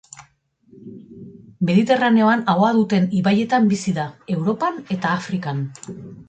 Mediterraneoan ahoa duten ibaietan bizi da, Europan eta Afrikan.